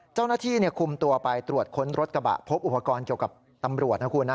เจ้าหน้าที่คุมตัวไปตรวจค้นรถกระบะพบอุปกรณ์เกี่ยวกับตำรวจนะคุณนะ